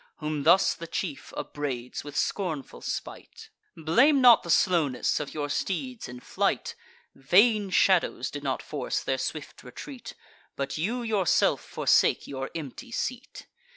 Whom thus the chief upbraids with scornful spite: "Blame not the slowness of your steeds in flight; Vain shadows did not force their swift retreat; But you yourself forsake your empty seat."